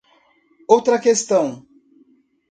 Outra questão.